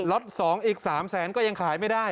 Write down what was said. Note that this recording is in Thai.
ล็อตสองอีกสามแสนก็ยังขายไม่ได้